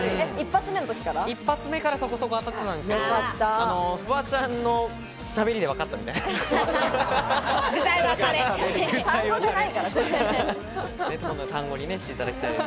一発目からそこそこ当たっていたんですが、フワちゃんのしゃべりでわかったみたい。